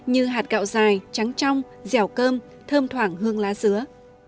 như hạt gạo dài trắng trong dẻo cơm thơm thoảng hương lá dứa